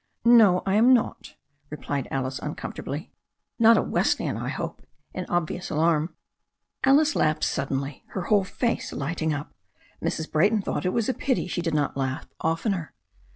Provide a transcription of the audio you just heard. "No, I am not," replied Alice uncomfortably. "Not a Wesleyan, I hope," in obvious alarm. Alice laughed suddenly, her whole face lighting up. Mrs. Brayton thought it was a pity she did not laugh oftener.